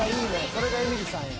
それがエミリさんや。